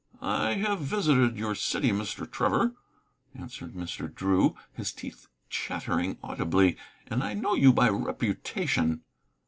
"I have visited your city, Mr. Trevor," answered Mr. Drew, his teeth chattering audibly, "and I know you by reputation."